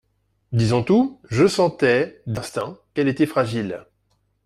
Disons tout, je sentais, d'instinct, qu'elle était fragile.